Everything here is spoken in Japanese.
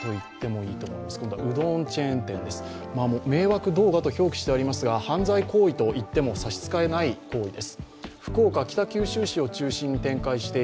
迷惑動画と表記してありますが、犯罪行為といっても差し支えない行為です。